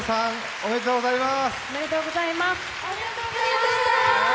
ありがとうございます。